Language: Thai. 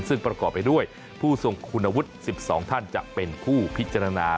ซึ่งประกอบไปด้วยผู้ทรงคุณวุฒิ๑๒ท่านจะเป็นผู้พิจารณา